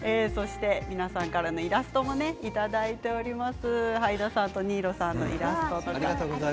皆さんからイラストをいただいています。